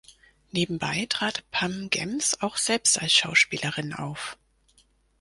Nebenbei trat Pam Gems auch selbst als Schauspielerin auf.